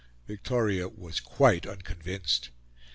Victoria was quite unconvinced.